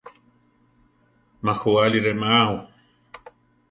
Má juáli re ma ao.